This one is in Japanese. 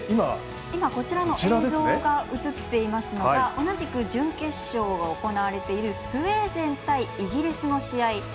映像が映っていますが同じく準決勝を行われているスウェーデン対イギリスの試合。